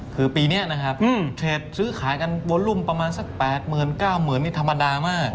คือปีนี้นะครับเทรดซื้อขายกันวอลุ่มประมาณสัก๘๙๐๐นี่ธรรมดามาก